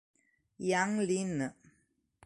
Jiang Lin